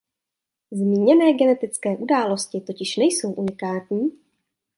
Zmíněné genetické události totiž nejsou unikátní.